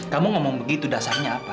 kamu ngomong begitu dasarnya apa